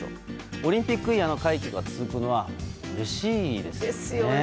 オリンピックイヤーの快挙が続くのはうれしいですよね。